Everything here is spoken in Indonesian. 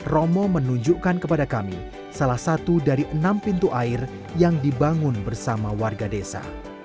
romo menunjukkan kepada kami salah satu dari enam pintu air yang dibangun bersama warga desa